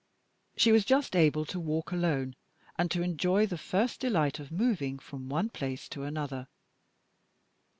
She was just able to walk alone, and to enjoy the first delight of moving from one place to another.